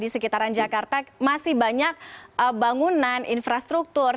di sekitaran jakarta masih banyak bangunan infrastruktur